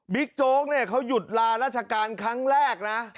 โจ๊กเนี่ยเขาหยุดลาราชการครั้งแรกนะ